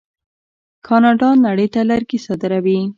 کاناډا نړۍ ته لرګي صادروي.